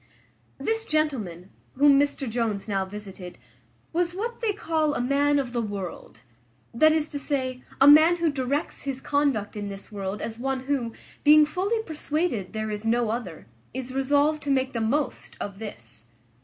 This gentleman, whom Mr Jones now visited, was what they call a man of the world; that is to say, a man who directs his conduct in this world as one who, being fully persuaded there is no other, is resolved to make the most of this.